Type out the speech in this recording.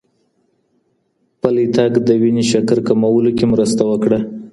پلی تګ د وینې شکر کمولو کې مرسته وکړه.